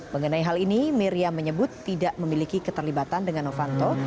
mengenai hal ini miriam menyebut tidak memiliki keterlibatan dengan novanto